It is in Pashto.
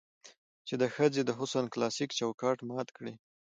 چې د ښځې د حسن کلاسيک چوکاټ مات کړي